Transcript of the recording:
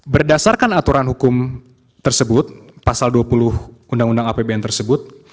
berdasarkan aturan hukum tersebut pasal dua puluh undang undang apbn tersebut